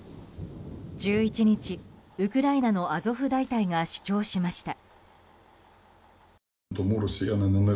１１日、ウクライナのアゾフ大隊が主張しました。